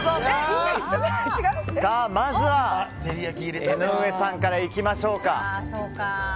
まずは江上さんから行きましょう。